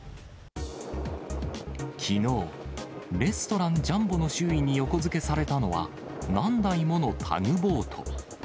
きのう、レストラン、ジャンボの周囲に横付けされたのは、何台ものタグボート。